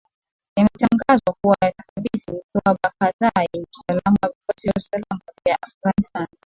yametangaza kuwa yatakabidhi mikoa kadhaa yenye usalama kwa vikosi vya usalama vya afghanistan